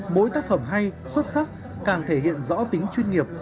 mỗi tác phẩm hay xuất sắc càng thể hiện rõ tính chuyên nghiệp